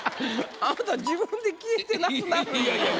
あなた自分で消えてなくなるいうて。